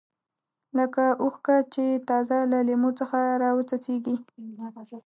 لکه اوښکه چې تازه له لیمو څخه راوڅڅېږي.